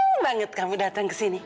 ehang seneng banget kamu datang kesini